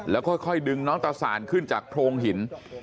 แล้วค่อยดึงน้องตาสานขึ้นจากโพรงหิน